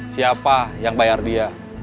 siapa yang bayar dia